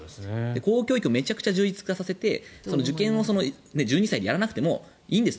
公教育をめちゃくちゃ充実させて受験を１２歳でやらなくてもいいんですと。